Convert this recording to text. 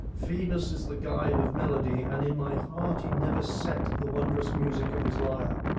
Phoebus is the guide of melody and in my heart he never set the wondrous music of his lyre.